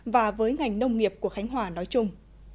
và với ngành nông nghiệp của khánh hòa nói chung